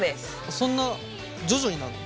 そんな徐々になの？